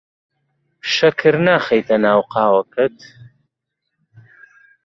شەکر ناخەیتە ناو قاوەکەت.